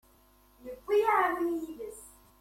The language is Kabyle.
Yewwi aεwin yid-s